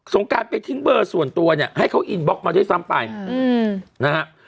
งการไปทิ้งเบอร์ส่วนตัวเนี่ยให้เขาอินบล็อกมาด้วยซ้ำไปนะฮะ